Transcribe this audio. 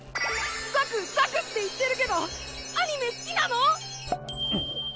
「ザクザク」って言ってるけどアニメ好きなの？